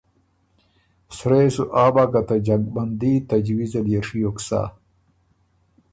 سرۀ يې سو آ بۀ که ته جنګ بندي تجویز ال يې ڒیوک سَۀ۔